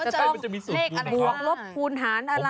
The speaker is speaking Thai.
จะต้องเลขหลักดูกคูณหารอะไรมันจะมีสูตรเองอะไรฟะ